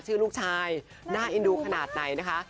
ชื่อลูกชายน่าเอ็นดูขนาดไหนนะคะ